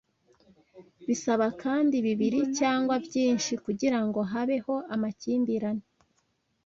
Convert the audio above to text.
bisaba kandi bibiri (cyangwa byinshi) kugirango habeho amakimbirane